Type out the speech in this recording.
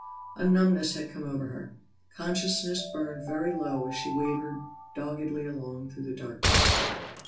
A numbness had come over her; consciousness burned very low as she wavered doggedly along through the darkness.